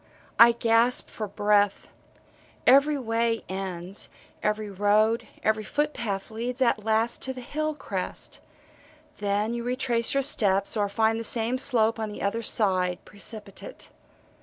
I gasp for breath. Every way ends, every road, every foot path leads at last to the hill crest then you retrace your steps, or find the same slope on the other side, precipitate.